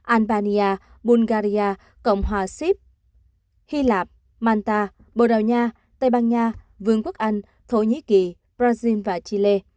albania bulgaria cộng hòa xếp hy lạp malta bồ đào nha tây ban nha vương quốc anh thổ nhĩ kỳ brazil và chile